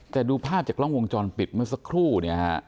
แต่ดูภาพจากกล้องวงจรปิดเมื่อสักครู่เนี่ยฮะ